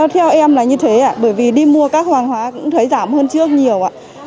theo em là như thế bởi vì đi mua các hàng hóa cũng thấy giảm hơn trước nhiều ạ